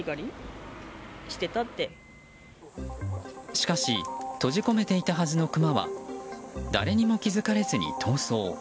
しかし、閉じ込めていたはずのクマは誰にも気づかれずに逃走。